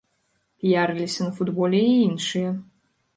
Піярыліся на футболе і іншыя.